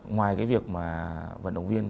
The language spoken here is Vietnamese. ngoài cái việc mà vận động viên